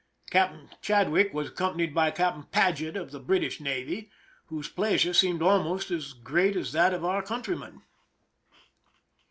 Captain Chad wick was accompanied by Captain Paget of the British navy, whose pleasure seemed almost as great as that of our countrymen.